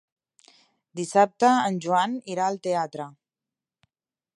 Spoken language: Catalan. Dissabte en Joan irà al teatre.